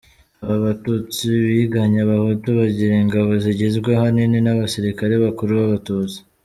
Aba batutsi biganye abahutu bagira ingabo zigizwe ahanini n’abasirikare bakuru b’abatutsi.